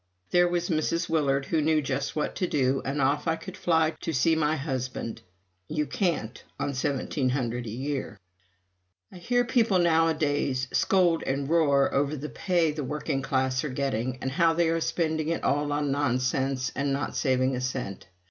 There was Mrs. Willard who knew just what to do, and off I could fly to see my husband. You can't, on $1700 a year. I hear people nowadays scold and roar over the pay the working classes are getting, and how they are spending it all on nonsense and not saving a cent.